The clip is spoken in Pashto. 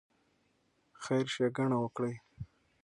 خیر ښېګڼه وکړئ.